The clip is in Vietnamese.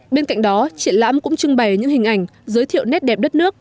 bên cạnh đó triển lãm cũng trưng bày những hình ảnh giới thiệu nét đẹp đất nước